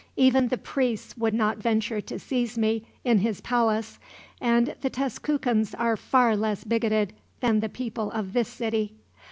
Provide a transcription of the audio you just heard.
Even the priests would not venture to seize me in his palace, and the Tezcucans are far less bigoted than the people of this city."